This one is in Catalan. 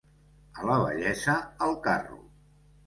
A la vellesa, al carro.